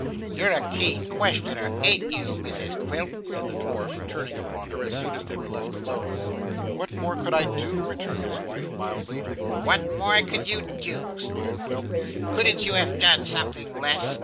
'You're a keen questioner, an't you, Mrs Quilp?' said the dwarf, turning upon her as soon as they were left alone. 'What more could I do?' returned his wife mildly. 'What more could you do!' sneered Quilp, 'couldn't you have done something less?